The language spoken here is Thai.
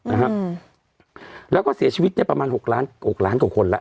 นะฮะอืมแล้วก็เสียชีวิตเนี้ยประมาณหกล้านหกล้านกว่าคนแล้ว